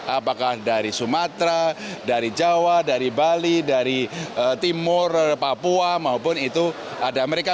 apakah dari sumatera dari jawa dari bali dari timur papua maupun itu ada mereka